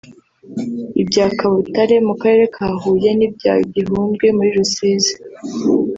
ibya Kabutare mu Karere ka Huye n’ibya Gihundwe muri Rusizi